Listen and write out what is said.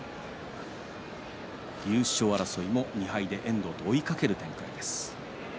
優勝争いも２敗で遠藤と追いかける展開です。